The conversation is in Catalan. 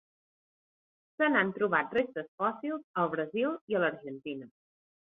Se n'han trobat restes fòssils al Brasil i l'Argentina.